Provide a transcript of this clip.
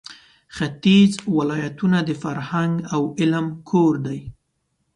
ختیځ ولایتونه د فرهنګ او علم کور دی.